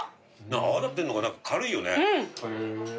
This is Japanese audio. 泡立ってるのか軽いよね。